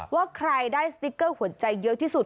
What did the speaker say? ว่าใครได้สติ๊กเกอร์หัวใจเยอะที่สุด